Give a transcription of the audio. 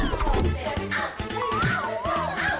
มือไปหมดแล้วค่ะตอนนี้